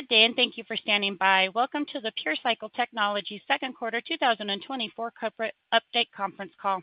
Good day, and thank you for standing by. Welcome to the PureCycle Technologies Second Quarter 2024 Corporate Update Conference Call.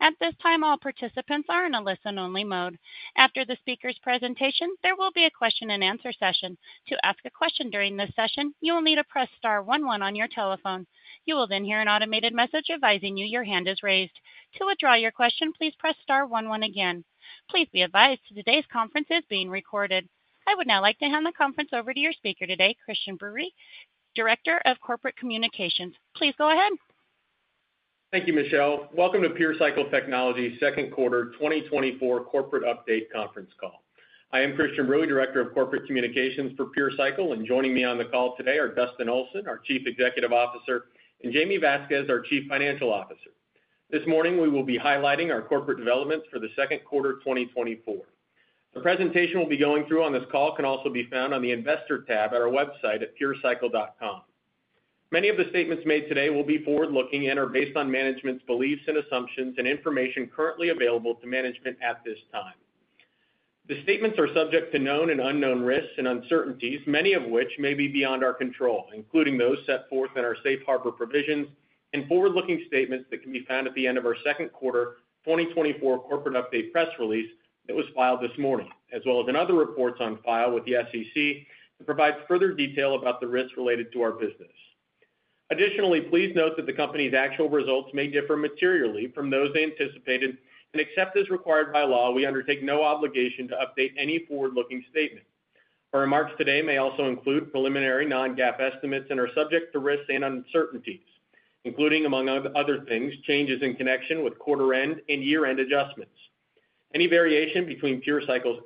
At this time, all participants are in a listen-only mode. After the speaker's presentation, there will be a question-and-answer session. To ask a question during this session, you will need to press star one one on your telephone. You will then hear an automated message advising you your hand is raised. To withdraw your question, please press star one one again. Please be advised today's conference is being recorded. I would now like to hand the conference over to your speaker today, Christian Bruey, Director of Corporate Communications. Please go ahead. Thank you, Michelle. Welcome to PureCycle Technologies' Second Quarter 2024 Corporate Update Conference Call. I am Christian Bruey, Director of Corporate Communications for PureCycle, and joining me on the call today are Dustin Olson, our Chief Executive Officer, and Jaime Vasquez, our Chief Financial Officer. This morning, we will be highlighting our corporate developments for the second quarter of 2024. The presentation we'll be going through on this call can also be found on the Investor tab at our website at purecycle.com. Many of the statements made today will be forward-looking and are based on management's beliefs and assumptions and information currently available to management at this time. The statements are subject to known and unknown risks and uncertainties, many of which may be beyond our control, including those set forth in our safe harbor provisions and forward-looking statements that can be found at the end of our second quarter 2024 corporate update press release that was filed this morning, as well as in other reports on file with the SEC that provide further detail about the risks related to our business. Additionally, please note that the company's actual results may differ materially from those they anticipated, and except as required by law, we undertake no obligation to update any forward-looking statement. Our remarks today may also include preliminary non-GAAP estimates and are subject to risks and uncertainties, including, among other things, changes in connection with quarter-end and year-end adjustments. Any variation between PureCycle's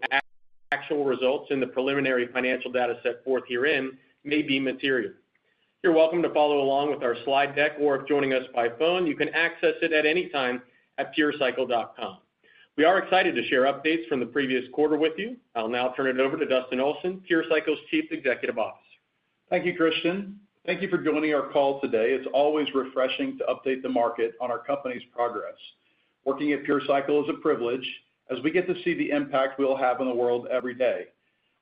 actual results and the preliminary financial data set forth herein may be material. You're welcome to follow along with our slide deck, or if joining us by phone, you can access it at any time at purecycle.com. We are excited to share updates from the previous quarter with you. I'll now turn it over to Dustin Olson, PureCycle's Chief Executive Officer. Thank you, Christian. Thank you for joining our call today. It's always refreshing to update the market on our company's progress. Working at PureCycle is a privilege as we get to see the impact we'll have on the world every day.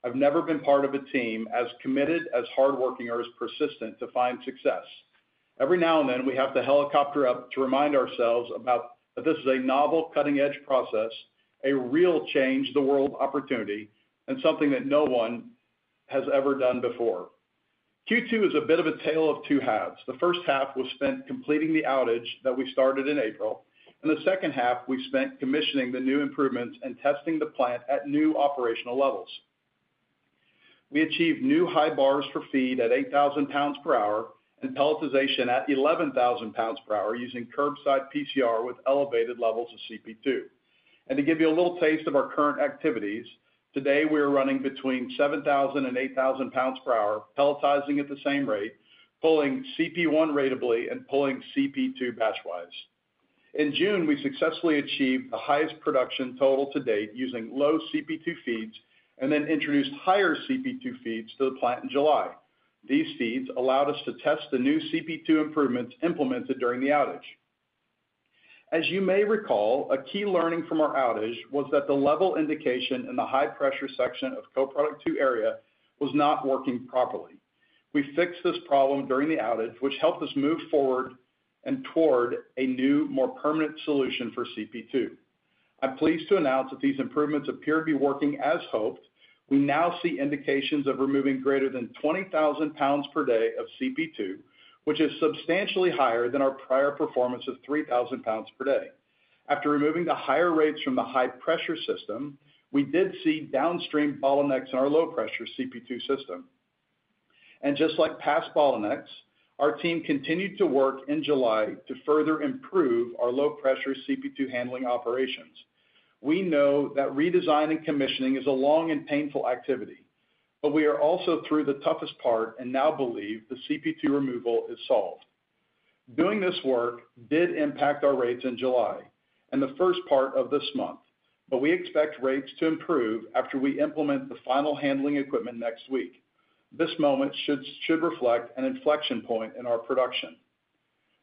I've never been part of a team as committed, as hardworking, or as persistent to find success. Every now and then, we have to helicopter up to remind ourselves about that this is a novel, cutting-edge process, a real change-the-world opportunity, and something that no one has ever done before. Q2 is a bit of a tale of two halves. The first half was spent completing the outage that we started in April, and the second half we spent commissioning the new improvements and testing the plant at new operational levels. We achieved new high bars for feed at 8,000 lbs per hour and pelletization at 11,000 lbs per hour using curbside PCR with elevated levels of CP2. To give you a little taste of our current activities, today we are running between 7,000 and 8,000 lbs per hour, pelletizing at the same rate, pulling CP1 ratably and pulling CP2 batchwise. In June, we successfully achieved the highest production total to date using low CP2 feeds and then introduced higher CP2 feeds to the plant in July. These feeds allowed us to test the new CP2 improvements implemented during the outage. As you may recall, a key learning from our outage was that the level indication in the high-pressure section of co-product two area was not working properly. We fixed this problem during the outage, which helped us move forward and toward a new, more permanent solution for CP2. I'm pleased to announce that these improvements appear to be working as hoped. We now see indications of removing greater than 20,000 lbs per day of CP2, which is substantially higher than our prior performance of 3,000 lbs per day. After removing the higher rates from the high-pressure system, we did see downstream bottlenecks in our low-pressure CP2 system. Just like past bottlenecks, our team continued to work in July to further improve our low-pressure CP2 handling operations. We know that redesign and commissioning is a long and painful activity, but we are also through the toughest part and now believe the CP2 removal is solved. Doing this work did impact our rates in July and the first part of this month, but we expect rates to improve after we implement the final handling equipment next week. This moment should reflect an inflection point in our production.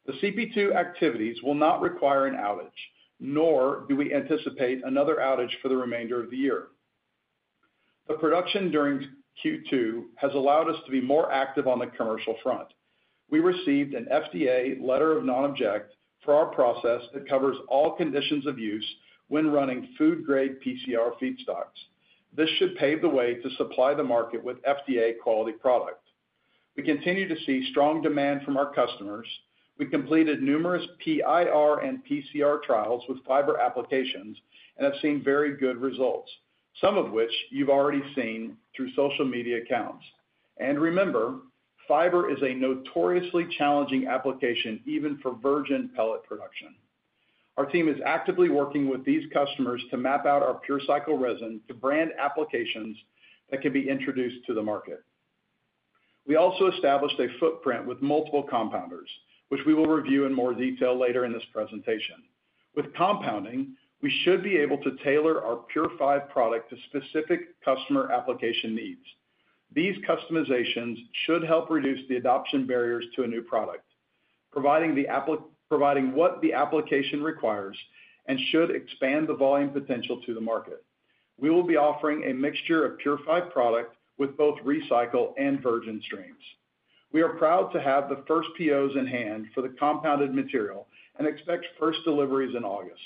The CP2 activities will not require an outage, nor do we anticipate another outage for the remainder of the year. The production during Q2 has allowed us to be more active on the commercial front. We received an FDA letter of no objection for our process that covers all conditions of use when running food-grade PCR feedstocks. This should pave the way to supply the market with FDA quality product. We continue to see strong demand from our customers. We completed numerous PIR and PCR trials with fiber applications and have seen very good results, some of which you've already seen through social media accounts. And remember, fiber is a notoriously challenging application, even for virgin pellet production. Our team is actively working with these customers to map out our PureCycle resin to brand applications that can be introduced to the market. We also established a footprint with multiple compounders, which we will review in more detail later in this presentation. With compounding, we should be able to tailor our PureFive product to specific customer application needs. These customizations should help reduce the adoption barriers to a new product, providing what the application requires and should expand the volume potential to the market. We will be offering a mixture of purified product with both recycle and virgin streams. We are proud to have the first POs in hand for the compounded material and expect first deliveries in August.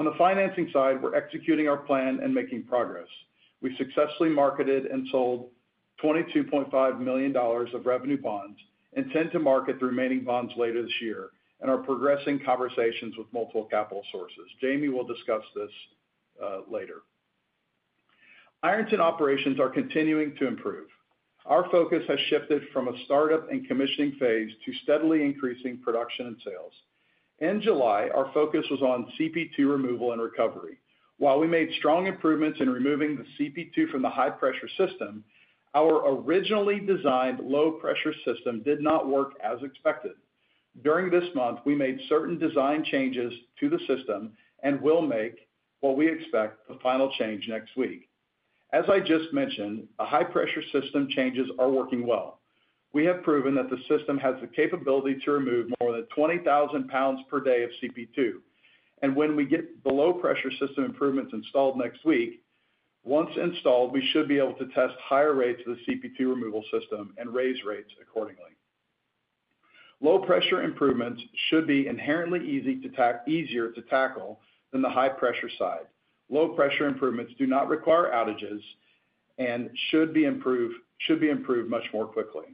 On the financing side, we're executing our plan and making progress. We've successfully marketed and sold $22.5 million of revenue bonds, intend to market the remaining bonds later this year, and are progressing conversations with multiple capital sources. Jaime will discuss this later. Ironton operations are continuing to improve. Our focus has shifted from a startup and commissioning phase to steadily increasing production and sales. In July, our focus was on CP2 removal and recovery. While we made strong improvements in removing the CP2 from the high-pressure system, our originally designed low-pressure system did not work as expected. During this month, we made certain design changes to the system and will make what we expect the final change next week. As I just mentioned, a high-pressure system changes are working well. We have proven that the system has the capability to remove more than 20,000 lbs per day of CP2. When we get the low-pressure system improvements installed next week, once installed, we should be able to test higher rates of the CP2 removal system and raise rates accordingly. Low-pressure improvements should be inherently easier to tackle than the high-pressure side. Low-pressure improvements do not require outages and should be improved much more quickly.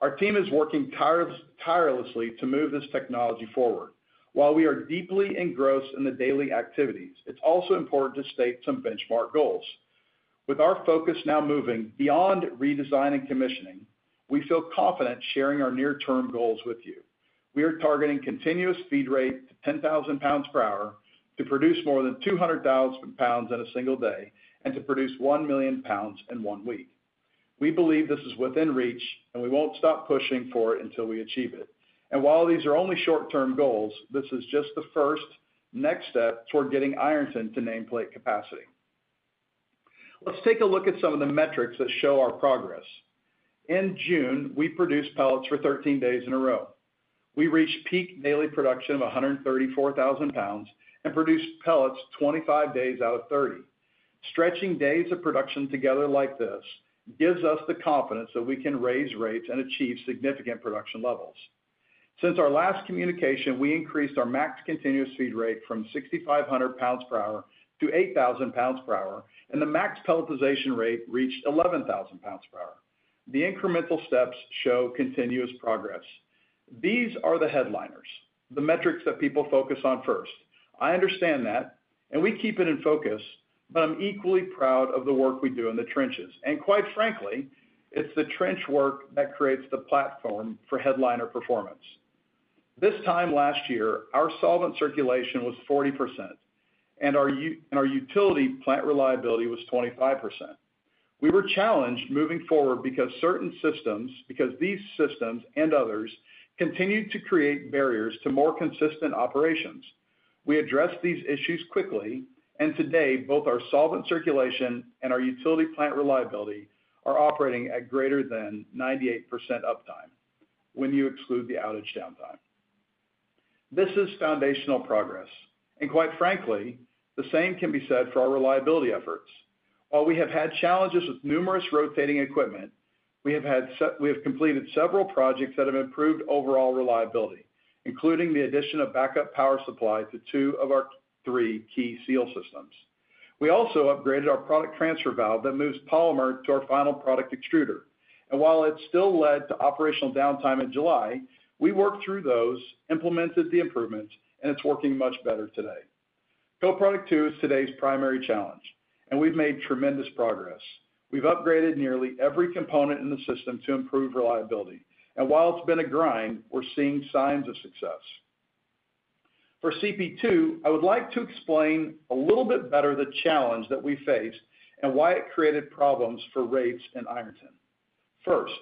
Our team is working tirelessly to move this technology forward. While we are deeply engrossed in the daily activities, it's also important to state some benchmark goals. With our focus now moving beyond redesign and commissioning, we feel confident sharing our near-term goals with you. We are targeting continuous feed rate to 10,000 lbs per hour, to produce more than 200,000 lbs in a single day, and to produce 1,000,000 lbs in one week. We believe this is within reach, and we won't stop pushing for it until we achieve it. While these are only short-term goals, this is just the first next step toward getting Ironton to nameplate capacity. Let's take a look at some of the metrics that show our progress. In June, we produced pellets for 13 days in a row. We reached peak daily production of 134,000 lbs and produced pellets 25 days out of 30. Stretching days of production together like this gives us the confidence that we can raise rates and achieve significant production levels. Since our last communication, we increased our max continuous feed rate from 6,500 lbs per hour to 8,000 lbs per hour, and the max pelletization rate reached 11,000 lbs per hour. The incremental steps show continuous progress. These are the headliners, the metrics that people focus on first. I understand that, and we keep it in focus, but I'm equally proud of the work we do in the trenches. Quite frankly, it's the trench work that creates the platform for headliner performance. This time last year, our solvent circulation was 40%, and our utility plant reliability was 25%. We were challenged moving forward because certain systems, because these systems and others continued to create barriers to more consistent operations. We addressed these issues quickly, and today, both our solvent circulation and our utility plant reliability are operating at greater than 98% uptime when you exclude the outage downtime. This is foundational progress, and quite frankly, the same can be said for our reliability efforts. While we have had challenges with numerous rotating equipment, we have completed several projects that have improved overall reliability, including the addition of backup power supply to 2 of our 3 key seal systems. We also upgraded our product transfer valve that moves polymer to our final product extruder. While it still led to operational downtime in July, we worked through those, implemented the improvements, and it's working much better today. Co-Product 2 is today's primary challenge, and we've made tremendous progress. We've upgraded nearly every component in the system to improve reliability. While it's been a grind, we're seeing signs of success. For CP2, I would like to explain a little bit better the challenge that we face and why it created problems for rates in Ironton. First,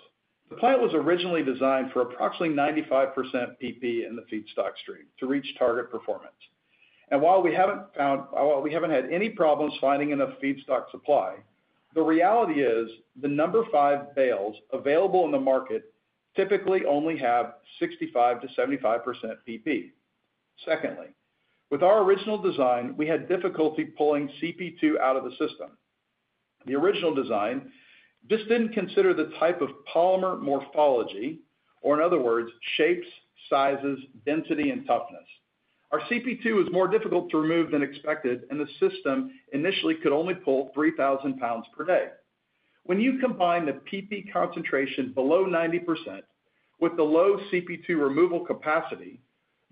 the plant was originally designed for approximately 95% PP in the feedstock stream to reach target performance. And while we haven't had any problems finding enough feedstock supply, the reality is the number five bales available in the market typically only have 65%-75% PP. Secondly, with our original design, we had difficulty pulling CP2 out of the system. The original design just didn't consider the type of polymer morphology, or in other words, shapes, sizes, density, and toughness. Our CP2 is more difficult to remove than expected, and the system initially could only pull 3,000 lbs per day. When you combine the PP concentration below 90% with the low CP2 removal capacity,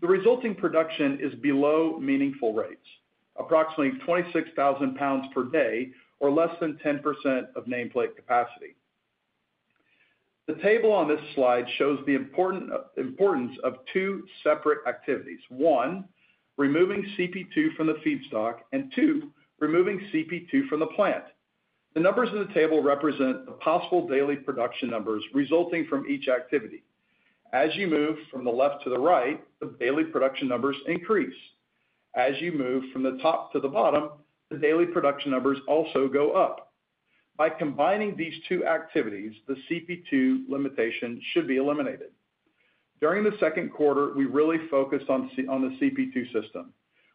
the resulting production is below meaningful rates, approximately 26,000 lbs per day or less than 10% of nameplate capacity. The table on this slide shows the importance of two separate activities. One, removing CP2 from the feedstock, and two, removing CP2 from the plant. The numbers in the table represent the possible daily production numbers resulting from each activity. As you move from the left to the right, the daily production numbers increase. As you move from the top to the bottom, the daily production numbers also go up. By combining these two activities, the CP2 limitation should be eliminated. During the second quarter, we really focused on the CP2 system.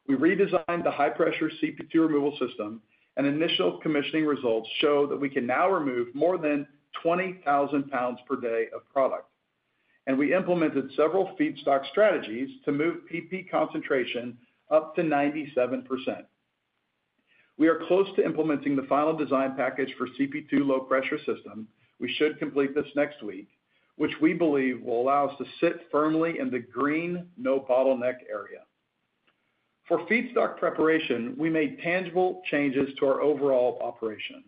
We redesigned the high-pressure CP2 removal system, and initial commissioning results show that we can now remove more than 20,000 lbs per day of product. We implemented several feedstock strategies to move PP concentration up to 97%. We are close to implementing the final design package for CP2 low-pressure system. We should complete this next week, which we believe will allow us to sit firmly in the green, no bottleneck area. For feedstock preparation, we made tangible changes to our overall operation.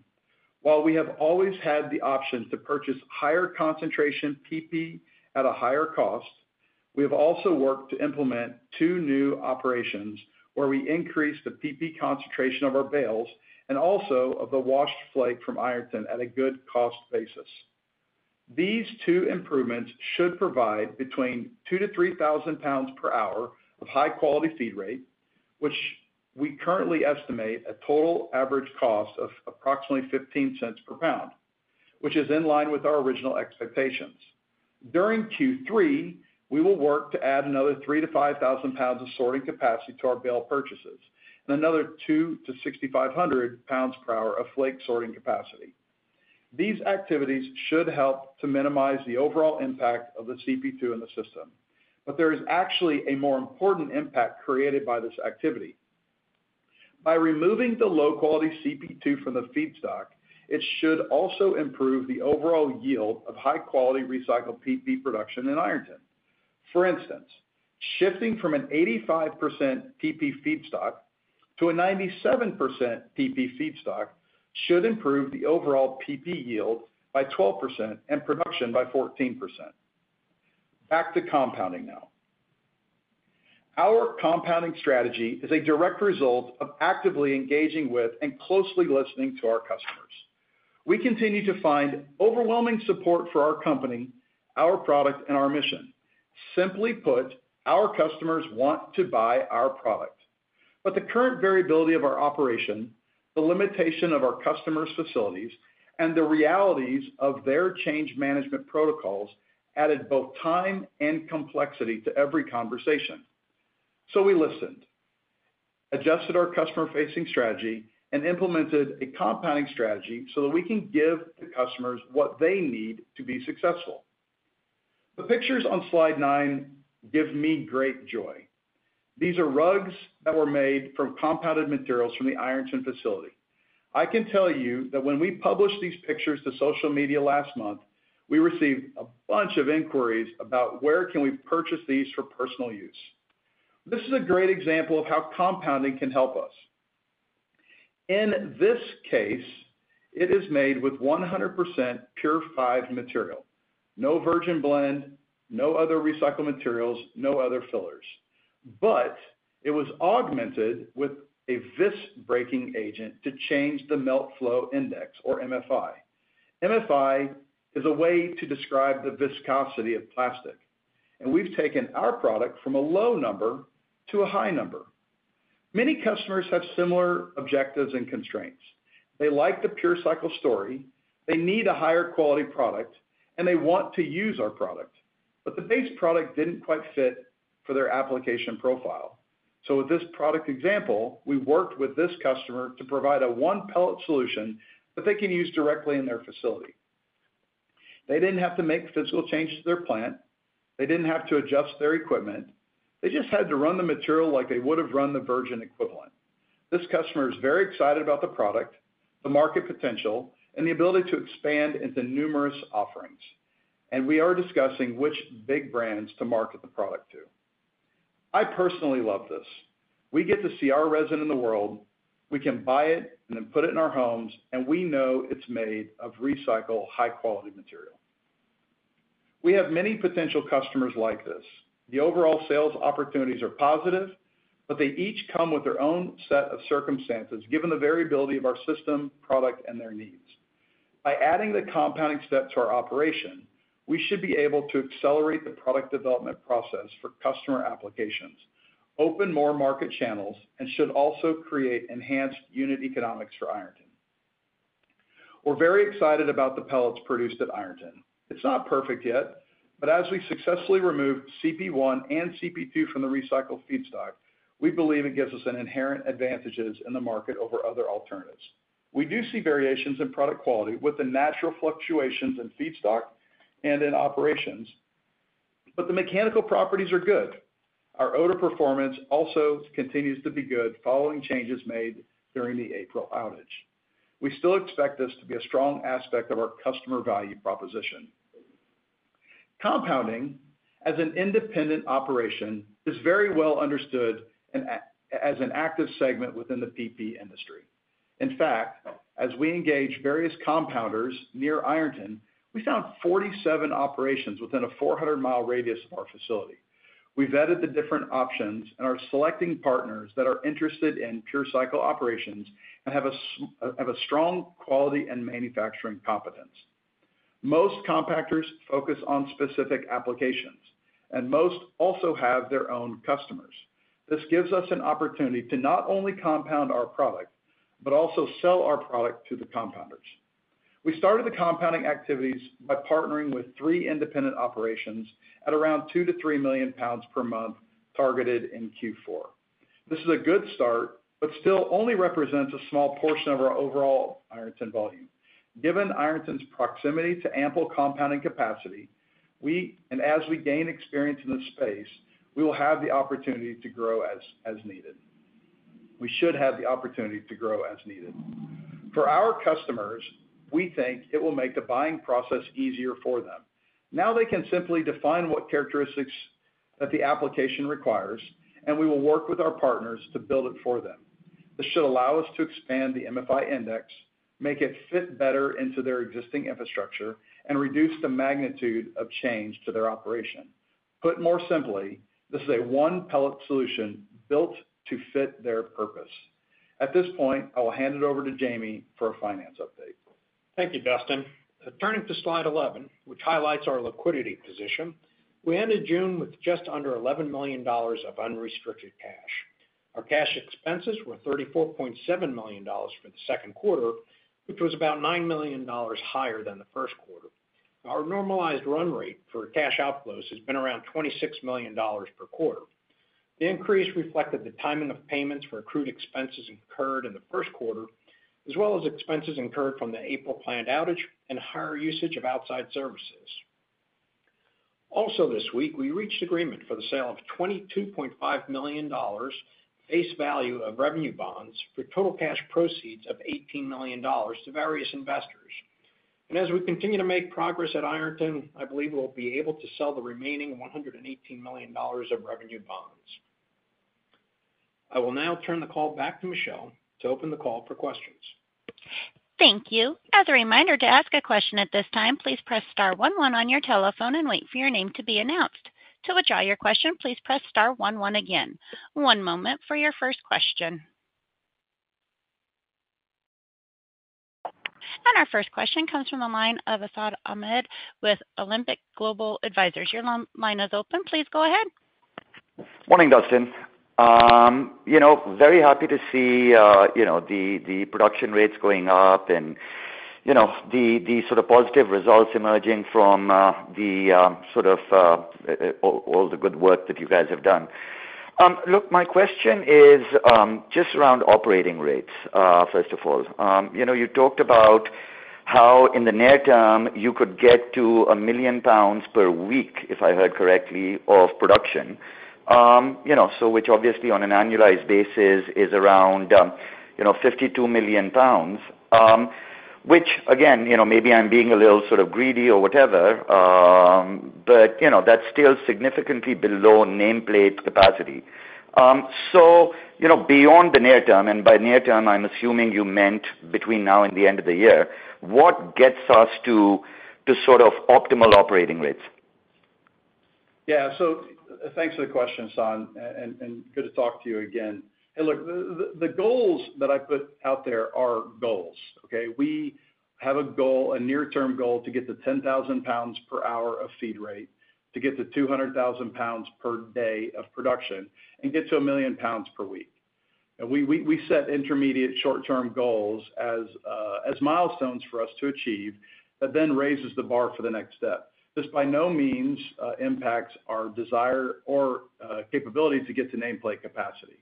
While we have always had the option to purchase higher concentration PP at a higher cost, we have also worked to implement two new operations where we increase the PP concentration of our bales and also of the washed flake from Ironton at a good cost basis. These two improvements should provide between 2,000-3,000 lbs per hour of high-quality feed rate, which we currently estimate a total average cost of approximately $0.15 per pound, which is in line with our original expectations. During Q3, we will work to add another 3,000-5,000 lbs of sorting capacity to our bale purchases and another 2,000-6,500 lbs per hour of flake sorting capacity. These activities should help to minimize the overall impact of the CP2 in the system, but there is actually a more important impact created by this activity. By removing the low-quality CP2 from the feedstock, it should also improve the overall yield of high-quality recycled PP production in Ironton. For instance, shifting from an 85% PP feedstock to a 97% PP feedstock should improve the overall PP yield by 12% and production by 14%. Back to compounding now. Our compounding strategy is a direct result of actively engaging with and closely listening to our customers. We continue to find overwhelming support for our company, our product, and our mission. Simply put, our customers want to buy our product, but the current variability of our operation, the limitation of our customers' facilities, and the realities of their change management protocols added both time and complexity to every conversation. So we listened, adjusted our customer-facing strategy, and implemented a compounding strategy so that we can give the customers what they need to be successful. The pictures on slide nine give me great joy. These are rugs that were made from compounded materials from the Ironton facility. I can tell you that when we published these pictures to social media last month, we received a bunch of inquiries about where can we purchase these for personal use. This is a great example of how compounding can help us. In this case, it is made with 100% PureFive material, no virgin blend, no other recycled materials, no other fillers. But it was augmented with a vis-breaking agent to change the melt flow index, or MFI. MFI is a way to describe the viscosity of plastic, and we've taken our product from a low number to a high number. Many customers have similar objectives and constraints. They like the PureCycle story, they need a higher quality product, and they want to use our product, but the base product didn't quite fit for their application profile. So with this product example, we worked with this customer to provide a one-pellet solution that they can use directly in their facility. They didn't have to make physical changes to their plant. They didn't have to adjust their equipment. They just had to run the material like they would have run the virgin equivalent. This customer is very excited about the product, the market potential, and the ability to expand into numerous offerings, and we are discussing which big brands to market the product to. I personally love this. We get to see our resin in the world, we can buy it and then put it in our homes, and we know it's made of recycled, high-quality material. We have many potential customers like this. The overall sales opportunities are positive, but they each come with their own set of circumstances, given the variability of our system, product, and their needs. By adding the compounding step to our operation, we should be able to accelerate the product development process for customer applications, open more market channels, and should also create enhanced unit economics for Ironton. We're very excited about the pellets produced at Ironton. It's not perfect yet, but as we successfully removed CP1 and CP2 from the recycled feedstock, we believe it gives us an inherent advantages in the market over other alternatives. We do see variations in product quality with the natural fluctuations in feedstock and in operations, but the mechanical properties are good. Our odor performance also continues to be good following changes made during the April outage. We still expect this to be a strong aspect of our customer value proposition. Compounding, as an independent operation, is very well understood and as an active segment within the PP industry. In fact, as we engage various compounders near Ironton, we found 47 operations within a 400-mile radius of our facility. We've vetted the different options and are selecting partners that are interested in PureCycle operations and have a strong quality and manufacturing competence. Most compactors focus on specific applications, and most also have their own customers. This gives us an opportunity to not only compound our product, but also sell our product to the compounders. We started the compounding activities by partnering with three independent operations at around 2-3 million lbs per month, targeted in Q4. This is a good start, but still only represents a small portion of our overall Ironton volume. Given Ironton's proximity to ample compounding capacity, we and as we gain experience in this space, we will have the opportunity to grow as needed. We should have the opportunity to grow as needed. For our customers, we think it will make the buying process easier for them. Now they can simply define what characteristics that the application requires, and we will work with our partners to build it for them. This should allow us to expand the MFI index, make it fit better into their existing infrastructure, and reduce the magnitude of change to their operation. Put more simply, this is a one-pellet solution built to fit their purpose. At this point, I will hand it over to Jaime for a finance update. Thank you, Dustin. Turning to slide 11, which highlights our liquidity position, we ended June with just under $11 million of unrestricted cash. Our cash expenses were $34.7 million for the second quarter, which was about $9 million higher than the first quarter. Our normalized run rate for cash outflows has been around $26 million per quarter. The increase reflected the timing of payments for accrued expenses incurred in the first quarter, as well as expenses incurred from the April planned outage and higher usage of outside services. Also this week, we reached agreement for the sale of $22.5 million face value of revenue bonds for total cash proceeds of $18 million to various investors. As we continue to make progress at Ironton, I believe we'll be able to sell the remaining $118 million of revenue bonds. I will now turn the call back to Michelle to open the call for questions. Thank you. As a reminder, to ask a question at this time, please press star one one on your telephone and wait for your name to be announced. To withdraw your question, please press star one one again. One moment for your first question. Our first question comes from the line of Hassan Ahmed with Alembic Global Advisors. Your line is open. Please go ahead. Morning, Dustin. You know, very happy to see, you know, the production rates going up and, you know, the sort of positive results emerging from, the sort of, all the good work that you guys have done. Look, my question is, just around operating rates, first of all. You know, you talked about how in the near term, you could get to 1 million pounds per week, if I heard correctly, of production. You know, so which obviously on an annualized basis is around, you know, 52 million lbs, which again, you know, maybe I'm being a little sort of greedy or whatever, but, you know, that's still significantly below nameplate capacity. So, you know, beyond the near term, and by near term, I'm assuming you meant between now and the end of the year, what gets us to sort of optimal operating rates? Yeah. So thanks for the question, Hassan, and good to talk to you again. Hey, look, the goals that I put out there are goals, okay? We have a goal, a near-term goal, to get to 10,000 lbs per hour of feed rate, to get to 200,000 lbs per day of production, and get to 1,000,000 lbs per week. And we set intermediate short-term goals as milestones for us to achieve, that then raises the bar for the next step. This by no means impacts our desire or capability to get to nameplate capacity.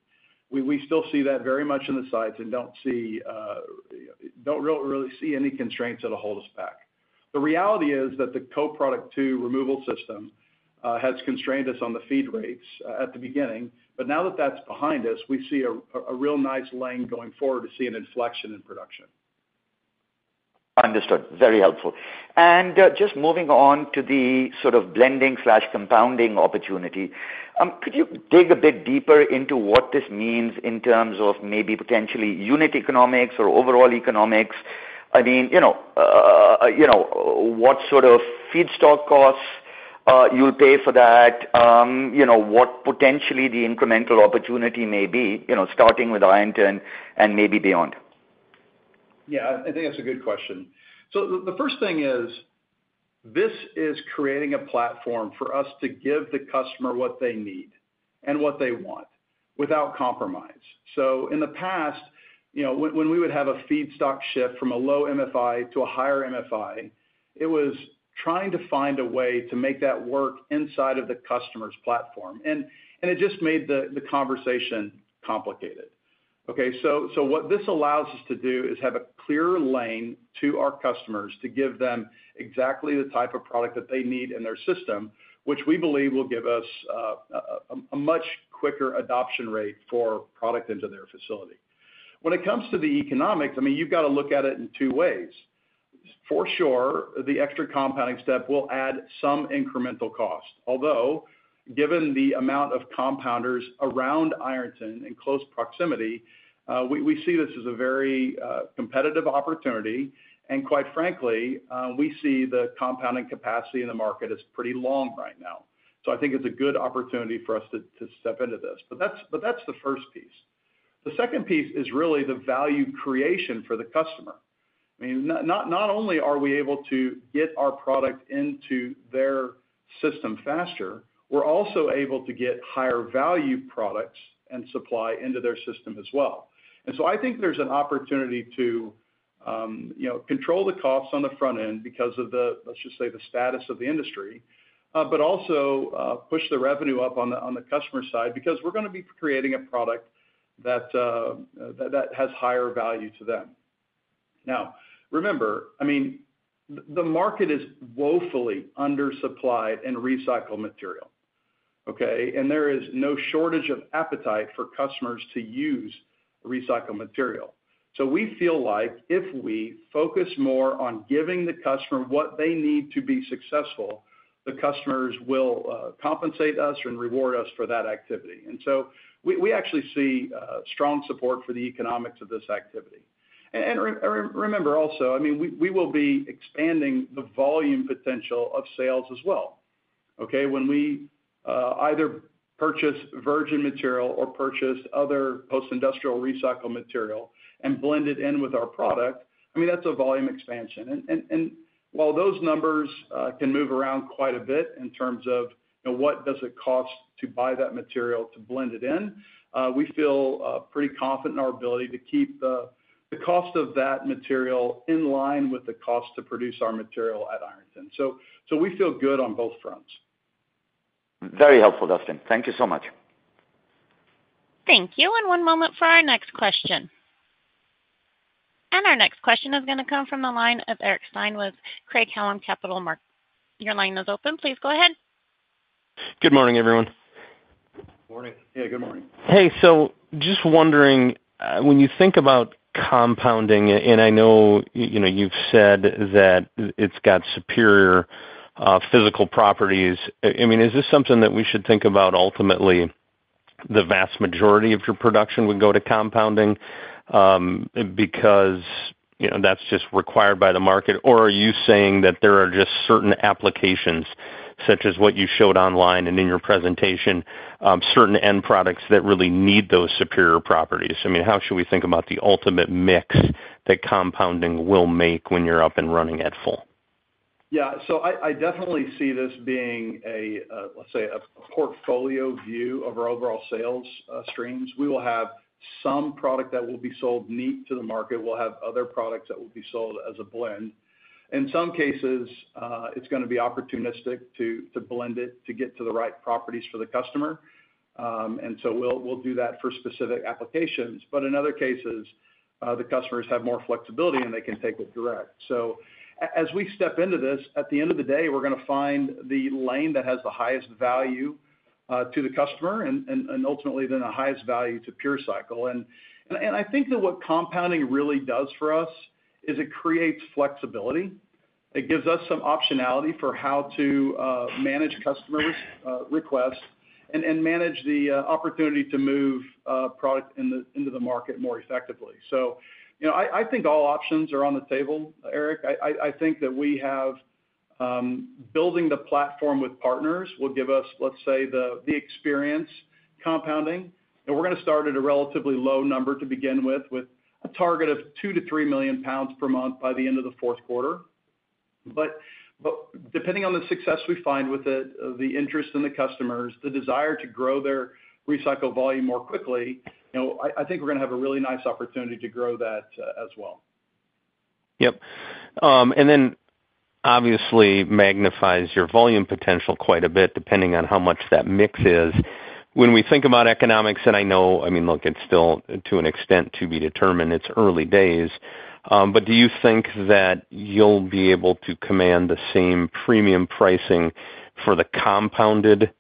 We still see that very much in the sights and don't really see any constraints that'll hold us back. The reality is that the Co-Product 2 removal system has constrained us on the feed rates at the beginning, but now that that's behind us, we see a real nice lane going forward to see an inflection in production. Understood. Very helpful. Just moving on to the sort of blending slash compounding opportunity, could you dig a bit deeper into what this means in terms of maybe potentially unit economics or overall economics? I mean, you know, you know, what sort of feedstock costs you'll pay for that? You know, what potentially the incremental opportunity may be, you know, starting with Ironton and maybe beyond. Yeah, I think that's a good question. So the first thing is, this is creating a platform for us to give the customer what they need and what they want without compromise. So in the past, you know, when we would have a feedstock shift from a low MFI to a higher MFI, it was trying to find a way to make that work inside of the customer's platform, and it just made the conversation complicated. Okay, so what this allows us to do is have a clear lane to our customers to give them exactly the type of product that they need in their system, which we believe will give us a much quicker adoption rate for product into their facility. When it comes to the economics, I mean, you've got to look at it in two ways. For sure, the extra compounding step will add some incremental cost, although, given the amount of compounders around Ironton in close proximity, we, we see this as a very, competitive opportunity, and quite frankly, we see the compounding capacity in the market is pretty long right now. So I think it's a good opportunity for us to step into this. But that's, but that's the first piece.... The second piece is really the value creation for the customer. I mean, not, not only are we able to get our product into their system faster, we're also able to get higher value products and supply into their system as well. And so I think there's an opportunity to, you know, control the costs on the front end because of the, let's just say, the status of the industry, but also, push the revenue up on the, on the customer side, because we're gonna be creating a product that, that has higher value to them. Now, remember, I mean, the, the market is woefully undersupplied in recycled material, okay? And there is no shortage of appetite for customers to use recycled material. So we feel like if we focus more on giving the customer what they need to be successful, the customers will, compensate us and reward us for that activity. And so we, we actually see, strong support for the economics of this activity. And remember also, I mean, we will be expanding the volume potential of sales as well, okay? When we either purchase virgin material or purchase other post-industrial recycled material and blend it in with our product, I mean, that's a volume expansion. And while those numbers can move around quite a bit in terms of, you know, what does it cost to buy that material to blend it in, we feel pretty confident in our ability to keep the cost of that material in line with the cost to produce our material at Ironton. So we feel good on both fronts. Very helpful, Dustin. Thank you so much. Thank you, and one moment for our next question. Our next question is gonna come from the line of Eric Stine with Craig-Hallum Capital Group. Your line is open. Please go ahead. Good morning, everyone. Morning. Yeah, good morning. Hey, so just wondering, when you think about compounding, and I know, you know, you've said that it's got superior physical properties. I mean, is this something that we should think about, ultimately, the vast majority of your production would go to compounding, because, you know, that's just required by the market? Or are you saying that there are just certain applications, such as what you showed online and in your presentation, certain end products that really need those superior properties? I mean, how should we think about the ultimate mix that compounding will make when you're up and running at full? Yeah, so I definitely see this being a, let's say, a portfolio view of our overall sales streams. We will have some product that will be sold neat to the market. We'll have other products that will be sold as a blend. In some cases, it's gonna be opportunistic to blend it, to get to the right properties for the customer. And so we'll do that for specific applications. But in other cases, the customers have more flexibility, and they can take it direct. So as we step into this, at the end of the day, we're gonna find the lane that has the highest value to the customer and ultimately, then the highest value to PureCycle. And I think that what compounding really does for us is it creates flexibility. It gives us some optionality for how to manage customers requests, and manage the opportunity to move product into the market more effectively. So, you know, I think all options are on the table, Eric. I think that we have building the platform with partners will give us, let's say, the experience compounding. And we're gonna start at a relatively low number to begin with, with a target of 2-3 million lbs per month by the end of the fourth quarter. But depending on the success we find with the interest in the customers, the desire to grow their recycled volume more quickly, you know, I think we're gonna have a really nice opportunity to grow that as well. Yep. And then obviously magnifies your volume potential quite a bit, depending on how much that mix is. When we think about economics, and I know, I mean, look, it's still, to an extent, to be determined. It's early days, but do you think that you'll be able to command the same premium pricing for the compounded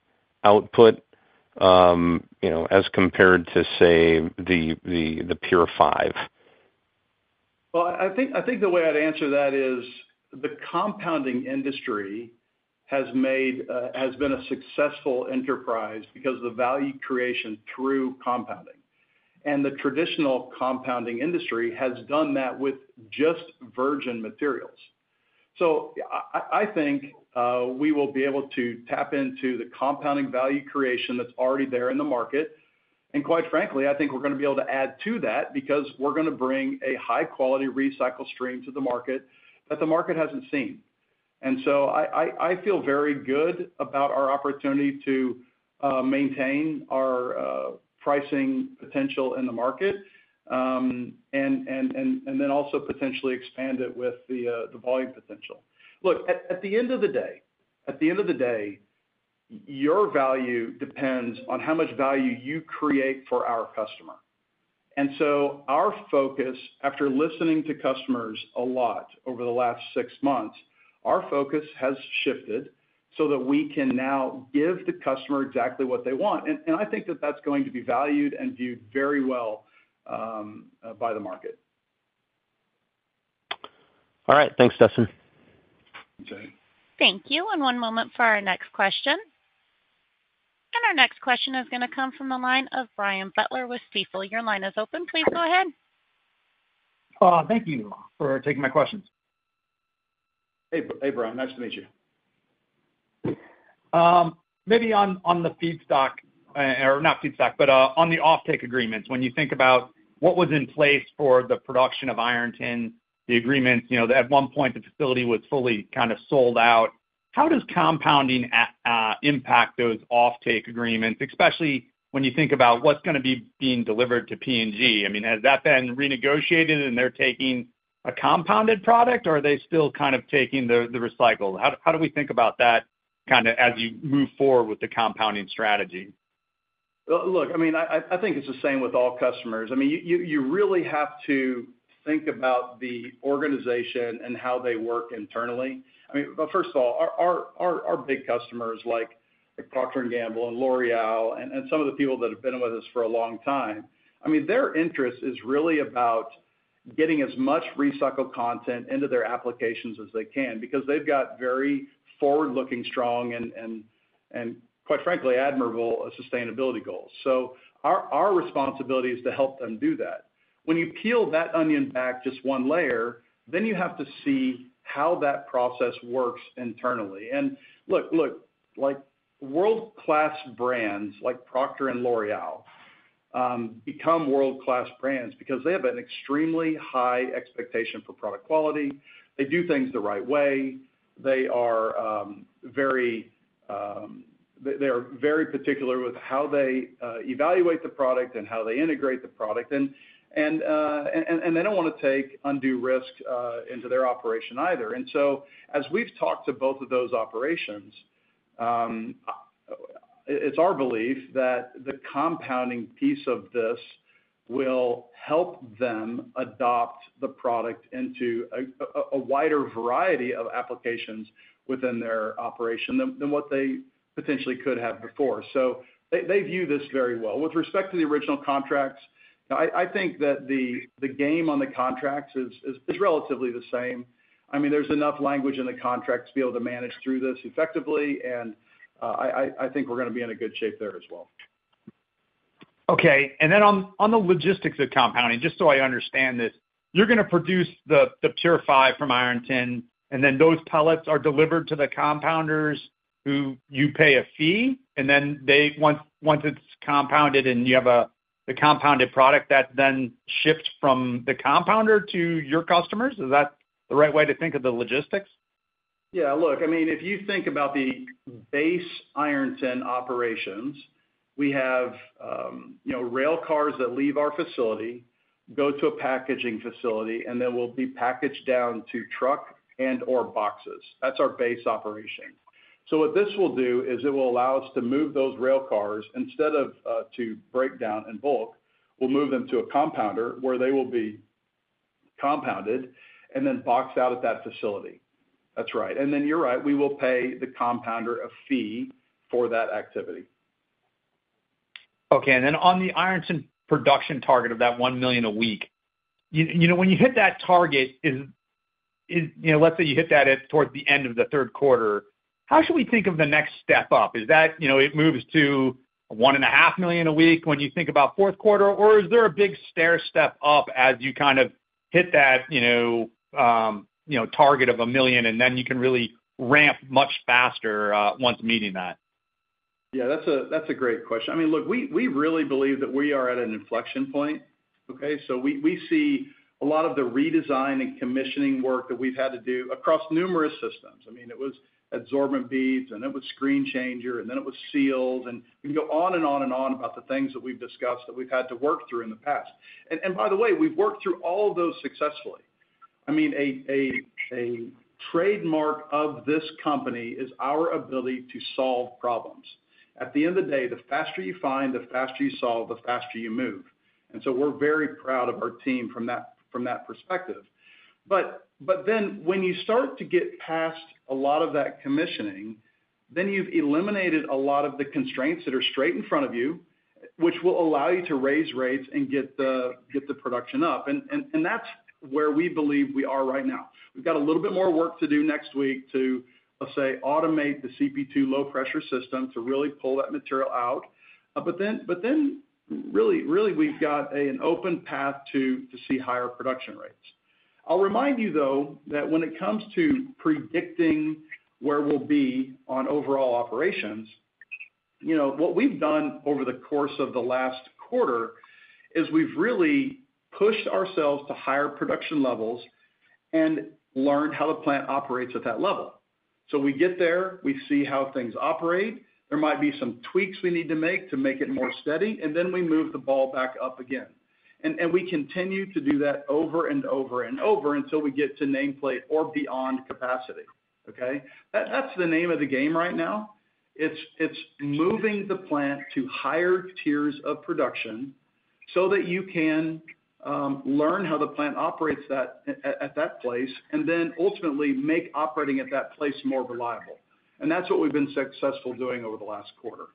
output, you know, as compared to, say, the, the, the PureFive? Well, I think the way I'd answer that is, the compounding industry has been a successful enterprise because of the value creation through compounding. And the traditional compounding industry has done that with just virgin materials. So I think we will be able to tap into the compounding value creation that's already there in the market. And quite frankly, I think we're gonna be able to add to that because we're gonna bring a high-quality recycled stream to the market that the market hasn't seen. And so I feel very good about our opportunity to maintain our pricing potential in the market, and then also potentially expand it with the volume potential. Look, at the end of the day, your value depends on how much value you create for our customer. And I think that's going to be valued and viewed very well by the market. All right. Thanks, Dustin. Okay. Thank you, and one moment for our next question. Our next question is gonna come from the line of Brian Butler with Stifel. Your line is open. Please go ahead. Thank you for taking my questions.... Hey, hey, Brian, nice to meet you. Maybe on, on the feedstock, or not feedstock, but, on the offtake agreements, when you think about what was in place for the production of Ironton, the agreements, you know, at one point, the facility was fully kind of sold out. How does compounding impact those offtake agreements, especially when you think about what's gonna be being delivered to P&G? I mean, has that been renegotiated and they're taking a compounded product, or are they still kind of taking the, the recycled? How, how do we think about that kind of, as you move forward with the compounding strategy? Well, look, I mean, I think it's the same with all customers. I mean, you really have to think about the organization and how they work internally. I mean, well, first of all, our big customers, like Procter & Gamble and L'Oréal, and some of the people that have been with us for a long time, I mean, their interest is really about getting as much recycled content into their applications as they can because they've got very forward-looking, strong and quite frankly, admirable sustainability goals. So our responsibility is to help them do that. When you peel that onion back just one layer, then you have to see how that process works internally. And look, like, world-class brands like Procter and L'Oréal become world-class brands because they have an extremely high expectation for product quality. They do things the right way. They are very particular with how they evaluate the product and how they integrate the product. And they don't want to take undue risk into their operation either. And so, as we've talked to both of those operations, it's our belief that the compounding piece of this will help them adopt the product into a wider variety of applications within their operation than what they potentially could have before. So they view this very well. With respect to the original contracts, I think that the game on the contracts is relatively the same. I mean, there's enough language in the contracts to be able to manage through this effectively, and I think we're gonna be in a good shape there as well. Okay. And then on the logistics of compounding, just so I understand this, you're gonna produce the PureFive from Ironton, and then those pellets are delivered to the compounders who you pay a fee, and then they. Once it's compounded and you have the compounded product, that then shifts from the compounder to your customers? Is that the right way to think of the logistics? Yeah, look, I mean, if you think about the base Ironton operations, we have, you know, rail cars that leave our facility, go to a packaging facility, and then will be packaged down to truck and/or boxes. That's our base operation. So what this will do is it will allow us to move those rail cars, instead of, to break down in bulk, we'll move them to a compounder, where they will be compounded and then boxed out at that facility. That's right. And then you're right, we will pay the compounder a fee for that activity. Okay. Then on the Ironton production target of that 1 million a week, you know, when you hit that target, you know, let's say you hit that towards the end of the third quarter, how should we think of the next step up? Is that, you know, it moves to 1.5 million a week when you think about fourth quarter, or is there a big stair step up as you kind of hit that, you know, target of 1 million, and then you can really ramp much faster once meeting that? Yeah, that's a great question. I mean, look, we really believe that we are at an inflection point, okay? So we see a lot of the redesign and commissioning work that we've had to do across numerous systems. I mean, it was absorbent beads, and it was screen changer, and then it was seals, and we can go on and on and on about the things that we've discussed that we've had to work through in the past. And by the way, we've worked through all of those successfully. I mean, a trademark of this company is our ability to solve problems. At the end of the day, the faster you find, the faster you solve, the faster you move. And so we're very proud of our team from that perspective. But then when you start to get past a lot of that commissioning, then you've eliminated a lot of the constraints that are straight in front of you, which will allow you to raise rates and get the production up. And that's where we believe we are right now. We've got a little bit more work to do next week to, let's say, automate the CP2 low-pressure system to really pull that material out. But then really, we've got an open path to see higher production rates. I'll remind you, though, that when it comes to predicting where we'll be on overall operations, you know, what we've done over the course of the last quarter is we've really pushed ourselves to higher production levels and learned how the plant operates at that level. So we get there, we see how things operate, there might be some tweaks we need to make to make it more steady, and then we move the ball back up again. And we continue to do that over and over and over until we get to nameplate or beyond capacity, okay? That's the name of the game right now. It's moving the plant to higher tiers of production so that you can learn how the plant operates at that place, and then ultimately make operating at that place more reliable. And that's what we've been successful doing over the last quarter.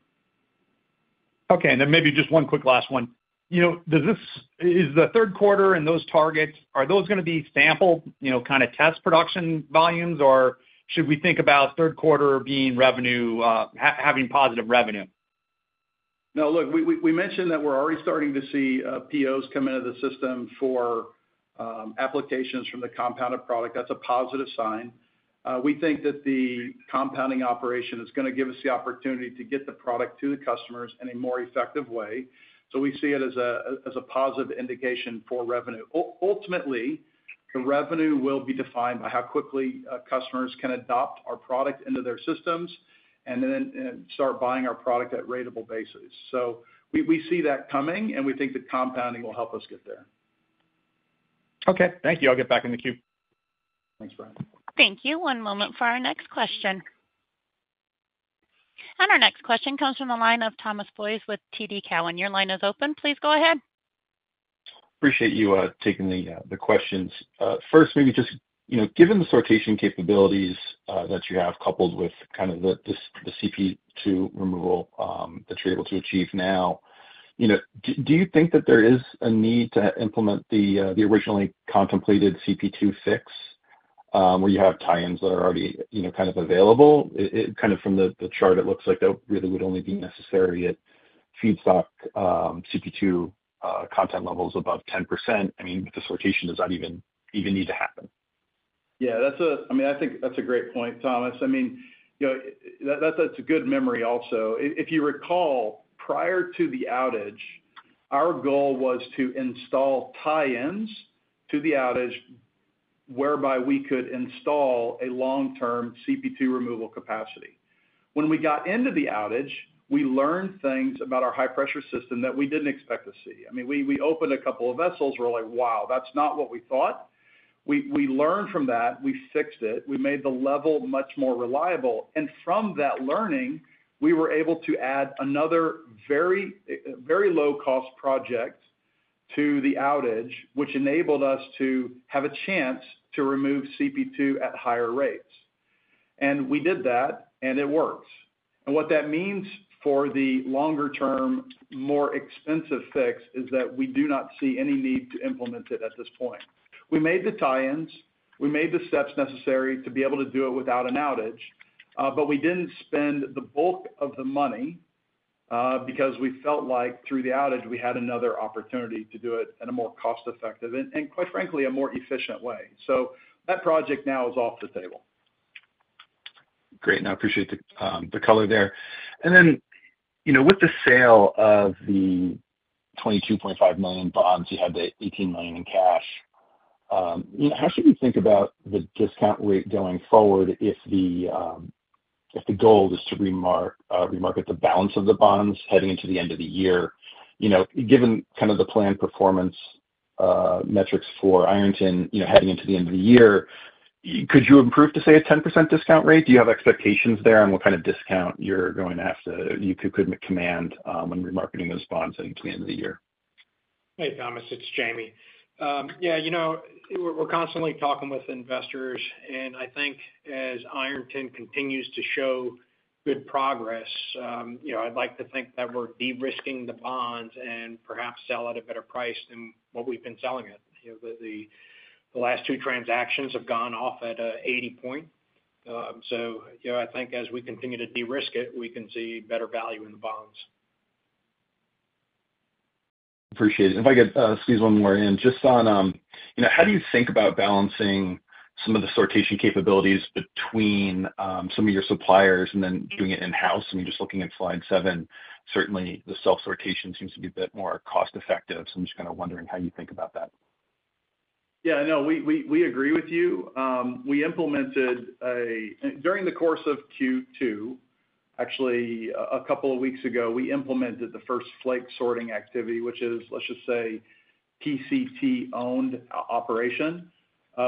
Okay, and then maybe just one quick last one. You know, is the third quarter and those targets gonna be sample, you know, kind of test production volumes, or should we think about third quarter being revenue, having positive revenue?... No, look, we mentioned that we're already starting to see POs come into the system for applications from the compounded product. That's a positive sign. We think that the compounding operation is gonna give us the opportunity to get the product to the customers in a more effective way. So we see it as a positive indication for revenue. Ultimately, the revenue will be defined by how quickly customers can adopt our product into their systems and then start buying our product at ratable basis. So we see that coming, and we think that compounding will help us get there. Okay. Thank you. I'll get back in the queue. Thanks, Brian. Thank you. One moment for our next question. Our next question comes from the line of Thomas Boyes with TD Cowen. Your line is open. Please go ahead. Appreciate you taking the questions. First, maybe just, you know, given the sortation capabilities that you have, coupled with kind of this, the CP2 removal that you're able to achieve now, you know, do you think that there is a need to implement the originally contemplated CP2 fix, where you have tie-ins that are already, you know, kind of available? Kind of from the chart, it looks like that really would only be necessary at feedstock CP2 content levels above 10%. I mean, the sortation does not even need to happen. Yeah, that's a—I mean, I think that's a great point, Thomas. I mean, you know, that, that's a good memory also. If you recall, prior to the outage, our goal was to install tie-ins to the outage, whereby we could install a long-term CP2 removal capacity. When we got into the outage, we learned things about our high-pressure system that we didn't expect to see. I mean, we, we opened a couple of vessels. We're like, "Wow, that's not what we thought." We, we learned from that. We fixed it. We made the level much more reliable, and from that learning, we were able to add another very, very low-cost project to the outage, which enabled us to have a chance to remove CP2 at higher rates. And we did that, and it works. What that means for the longer-term, more expensive fix is that we do not see any need to implement it at this point. We made the tie-ins. We made the steps necessary to be able to do it without an outage, but we didn't spend the bulk of the money, because we felt like through the outage, we had another opportunity to do it in a more cost-effective and quite frankly, a more efficient way. That project now is off the table. Great, and I appreciate the color there. And then, you know, with the sale of the $22.5 million bonds, you had the $18 million in cash. How should we think about the discount rate going forward if the goal is to remarket the balance of the bonds heading into the end of the year? You know, given kind of the planned performance metrics for Ironton, you know, heading into the end of the year, could you improve to, say, a 10% discount rate? Do you have expectations there on what kind of discount you're going to have to you could command when remarketing those bonds between the end of the year? Hey, Thomas, it's Jaime. Yeah, you know, we're constantly talking with investors, and I think as Ironton continues to show good progress, you know, I'd like to think that we're de-risking the bonds and perhaps sell at a better price than what we've been selling it. You know, the last two transactions have gone off at 80 point. So, you know, I think as we continue to de-risk it, we can see better value in the bonds. Appreciate it. If I could, squeeze one more in. Just on, you know, how do you think about balancing some of the sortation capabilities between, some of your suppliers and then doing it in-house? I mean, just looking at slide 7, certainly the self-sortation seems to be a bit more cost effective, so I'm just kind of wondering how you think about that. Yeah, no, we agree with you. During the course of Q2, actually, a couple of weeks ago, we implemented the first flake sorting activity, which is, let's just say, PCT-owned operation.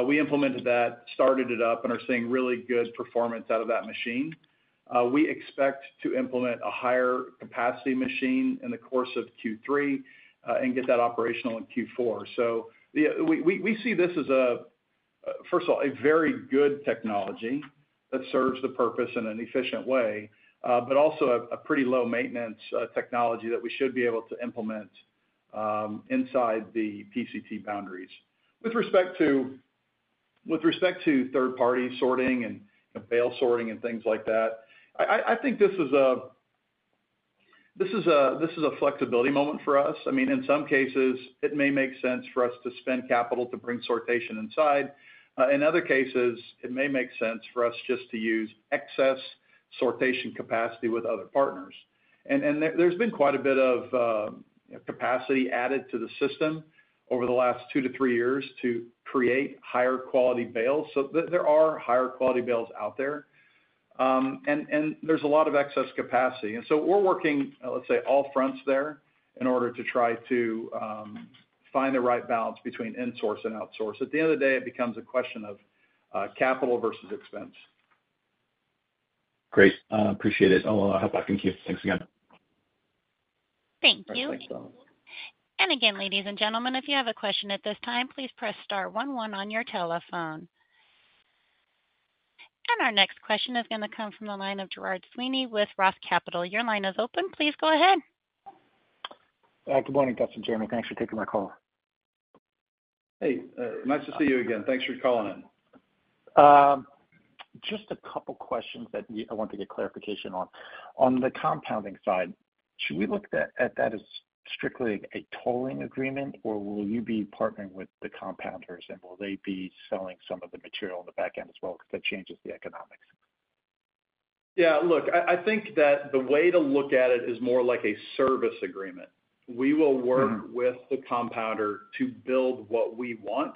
We implemented that, started it up, and are seeing really good performance out of that machine. We expect to implement a higher capacity machine in the course of Q3, and get that operational in Q4. So we see this as a, first of all, a very good technology that serves the purpose in an efficient way, but also a pretty low maintenance technology that we should be able to implement inside the PCT boundaries. With respect to third-party sorting and bale sorting and things like that, I think this is a flexibility moment for us. I mean, in some cases, it may make sense for us to spend capital to bring sortation inside. In other cases, it may make sense for us just to use excess sortation capacity with other partners. And there's been quite a bit of capacity added to the system over the last two to three years to create higher quality bales. So there are higher quality bales out there, and there's a lot of excess capacity. And so we're working, let's say, all fronts there in order to try to find the right balance between insource and outsource. At the end of the day, it becomes a question of capital versus expense. Great. Appreciate it. I'll hop back in queue. Thanks again. Thank you. Thanks, Thomas. And again, ladies and gentlemen, if you have a question at this time, please press star one one on your telephone. And our next question is gonna come from the line of Gerard Sweeney with ROTH Capital. Your line is open. Please go ahead. Good morning, Dustin and Jaime. Thanks for taking my call.... Hey, nice to see you again. Thanks for calling in. Just a couple questions I want to get clarification on. On the compounding side, should we look at that as strictly a tolling agreement, or will you be partnering with the compounders, and will they be selling some of the material on the back end as well? Because that changes the economics. Yeah, look, I, I think that the way to look at it is more like a service agreement. Mm-hmm. We will work with the compounder to build what we want.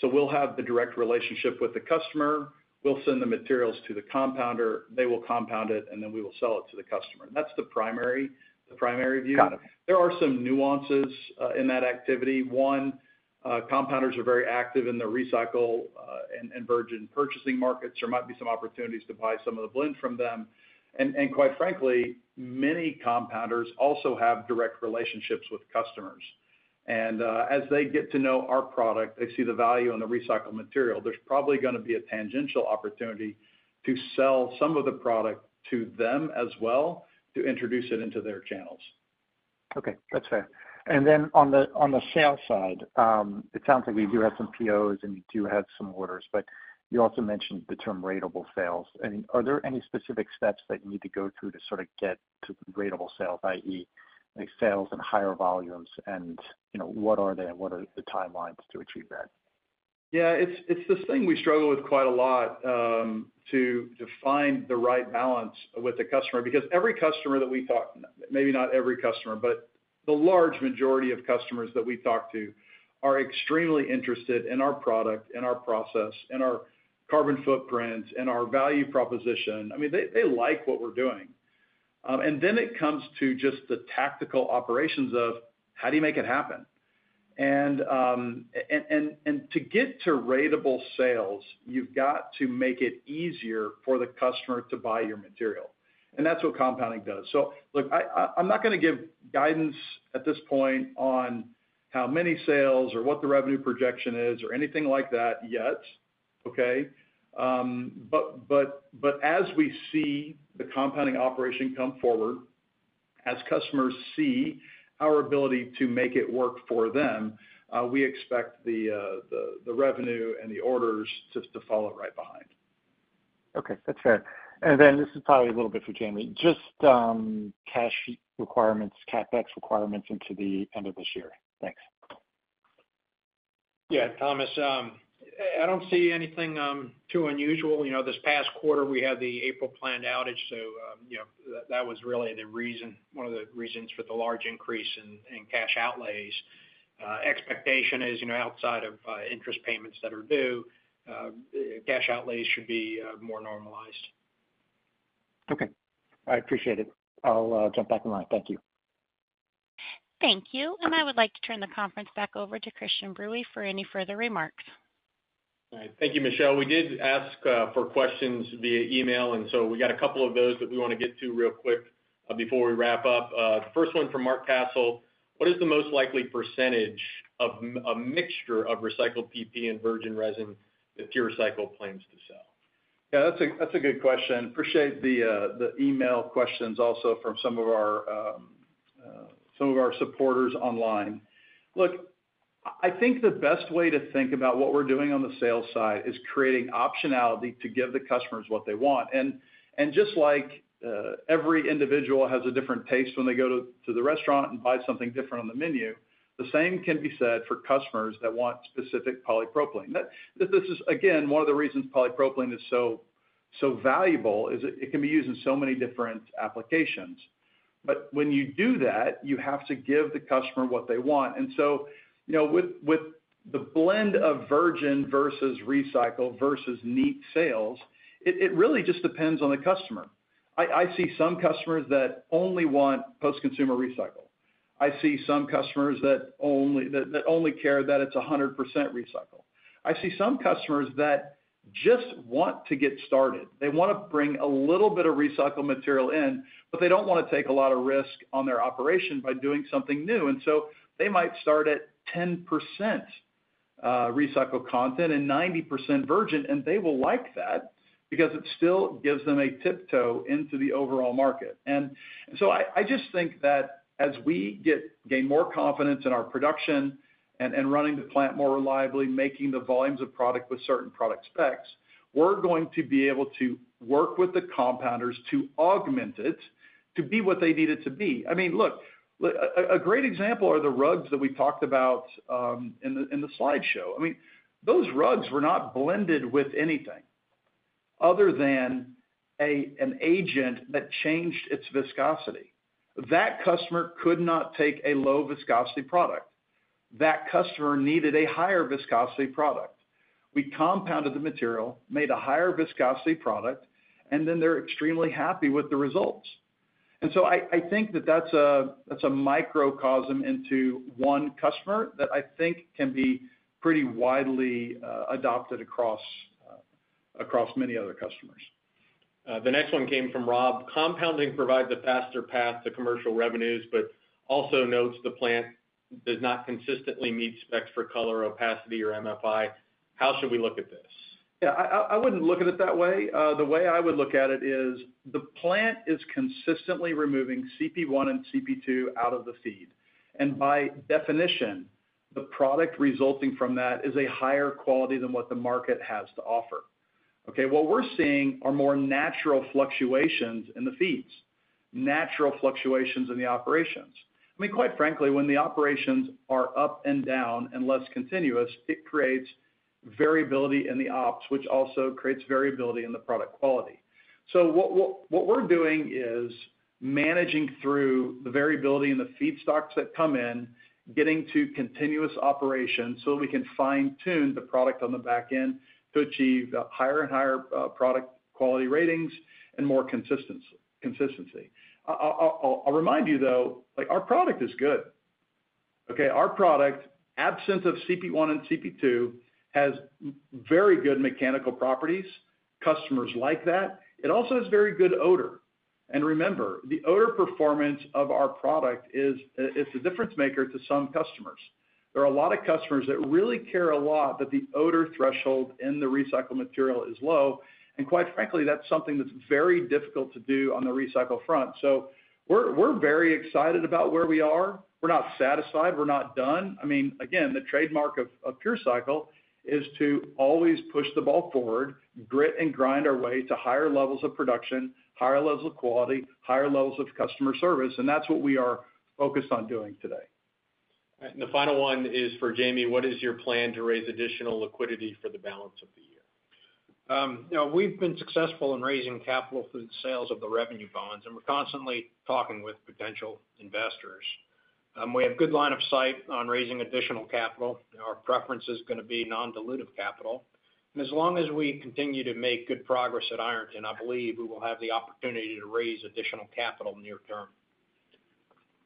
So we'll have the direct relationship with the customer. We'll send the materials to the compounder, they will compound it, and then we will sell it to the customer. That's the primary, the primary view. Got it. There are some nuances in that activity. One, compounders are very active in the recycle and virgin purchasing markets. There might be some opportunities to buy some of the blend from them. And quite frankly, many compounders also have direct relationships with customers. And as they get to know our product, they see the value in the recycled material, there's probably gonna be a tangential opportunity to sell some of the product to them as well, to introduce it into their channels. Okay, that's fair. And then on the, on the sales side, it sounds like you do have some POs, and you do have some orders, but you also mentioned the term ratable sales. And are there any specific steps that you need to go through to sort of get to ratable sales, i.e., like, sales and higher volumes? And, you know, what are they, and what are the timelines to achieve that? Yeah, it's this thing we struggle with quite a lot, to find the right balance with the customer. Because every customer that we talk... Maybe not every customer, but the large majority of customers that we talk to are extremely interested in our product and our process and our carbon footprint and our value proposition. I mean, they like what we're doing. And then it comes to just the tactical operations of: How do you make it happen? And to get to ratable sales, you've got to make it easier for the customer to buy your material, and that's what compounding does. So look, I'm not gonna give guidance at this point on how many sales or what the revenue projection is, or anything like that yet, okay? But as we see the compounding operation come forward, as customers see our ability to make it work for them, we expect the revenue and the orders just to follow right behind. Okay, that's fair. And then this is probably a little bit for Jaime. Just, cash requirements, CapEx requirements into the end of this year. Thanks. Yeah, Thomas, I don't see anything too unusual. You know, this past quarter, we had the April planned outage, so, you know, that was really the reason, one of the reasons for the large increase in cash outlays. Expectation is, you know, outside of interest payments that are due, cash outlays should be more normalized. Okay, I appreciate it. I'll jump back in line. Thank you. Thank you. I would like to turn the conference back over to Christian Bruey for any further remarks. All right. Thank you, Michelle. We did ask for questions via email, and so we got a couple of those that we wanna get to real quick before we wrap up. The first one from Mark Castle: "What is the most likely percentage of m- a mixture of recycled PP and virgin resin that PureCycle plans to sell? Yeah, that's a good question. Appreciate the email questions also from some of our supporters online. Look, I think the best way to think about what we're doing on the sales side is creating optionality to give the customers what they want. And just like every individual has a different taste when they go to the restaurant and buy something different on the menu, the same can be said for customers that want specific polypropylene. That this is, again, one of the reasons polypropylene is so valuable, is it can be used in so many different applications. But when you do that, you have to give the customer what they want. And so, you know, with the blend of virgin versus recycled, versus neat sales, it really just depends on the customer. I see some customers that only want post-consumer recycled. I see some customers that only care that it's 100% recycled. I see some customers that just want to get started. They wanna bring a little bit of recycled material in, but they don't wanna take a lot of risk on their operation by doing something new, and so they might start at 10% recycled content and 90% virgin, and they will like that because it still gives them a tiptoe into the overall market. And so I just think that as we gain more confidence in our production and running the plant more reliably, making the volumes of product with certain product specs, we're going to be able to work with the compounders to augment it to be what they need it to be. I mean, look, a great example are the rugs that we talked about, in the slideshow. I mean, those rugs were not blended with anything other than an agent that changed its viscosity. That customer could not take a low-viscosity product. That customer needed a higher viscosity product. We compounded the material, made a higher viscosity product, and then they're extremely happy with the results. And so I think that that's a microcosm into one customer that I think can be pretty widely adopted across many other customers. The next one came from Rob: "Compounding provides a faster path to commercial revenues," but also notes the plant does not consistently meet specs for color, opacity, or MFI. How should we look at this? ... Yeah, I wouldn't look at it that way. The way I would look at it is the plant is consistently removing CP1 and CP2 out of the feed, and by definition, the product resulting from that is a higher quality than what the market has to offer. Okay, what we're seeing are more natural fluctuations in the feeds, natural fluctuations in the operations. I mean, quite frankly, when the operations are up and down and less continuous, it creates variability in the ops, which also creates variability in the product quality. So what we're doing is managing through the variability in the feedstocks that come in, getting to continuous operation so we can fine-tune the product on the back end to achieve higher and higher product quality ratings and more consistency. I'll remind you, though, like, our product is good, okay? Our product, absent of CP1 and CP2, has very good mechanical properties. Customers like that. It also has very good odor. And remember, the odor performance of our product is, it's a difference maker to some customers. There are a lot of customers that really care a lot that the odor threshold in the recycled material is low, and quite frankly, that's something that's very difficult to do on the recycle front. So we're very excited about where we are. We're not satisfied. We're not done. I mean, again, the trademark of PureCycle is to always push the ball forward, grit and grind our way to higher levels of production, higher levels of quality, higher levels of customer service, and that's what we are focused on doing today. All right, and the final one is for Jaime. What is your plan to raise additional liquidity for the balance of the year? You know, we've been successful in raising capital through the sales of the revenue bonds, and we're constantly talking with potential investors. We have good line of sight on raising additional capital. Our preference is gonna be non-dilutive capital. As long as we continue to make good progress at Ironton, I believe we will have the opportunity to raise additional capital near term.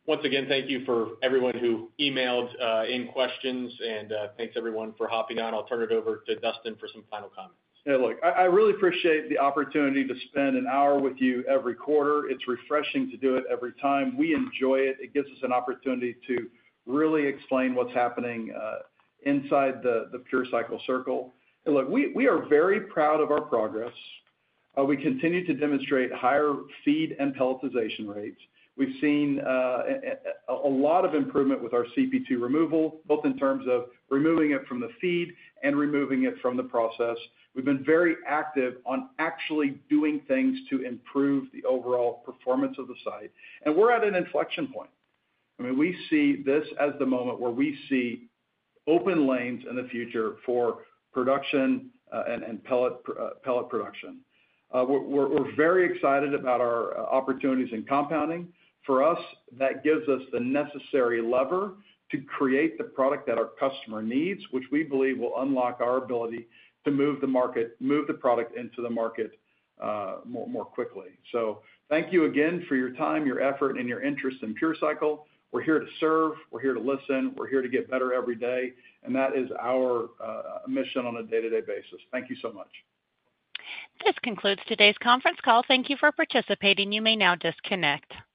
Once again, thank you for everyone who emailed in questions, and thanks everyone for hopping on. I'll turn it over to Dustin for some final comments. Yeah, look, I really appreciate the opportunity to spend an hour with you every quarter. It's refreshing to do it every time. We enjoy it. It gives us an opportunity to really explain what's happening inside the PureCycle circle. And look, we are very proud of our progress. We continue to demonstrate higher feed and pelletization rates. We've seen a lot of improvement with our CP2 removal, both in terms of removing it from the feed and removing it from the process. We've been very active on actually doing things to improve the overall performance of the site, and we're at an inflection point. I mean, we see this as the moment where we see open lanes in the future for production, and pellet production. We're very excited about our opportunities in compounding. For us, that gives us the necessary lever to create the product that our customer needs, which we believe will unlock our ability to move the market, move the product into the market, more, more quickly. Thank you again for your time, your effort, and your interest in PureCycle. We're here to serve, we're here to listen, we're here to get better every day, and that is our mission on a day-to-day basis. Thank you so much. This concludes today's conference call. Thank you for participating. You may now disconnect.